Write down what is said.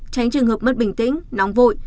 tránh trường hợp mất bình tĩnh nóng vội